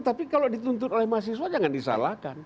tapi kalau dituntut oleh mahasiswa jangan disalahkan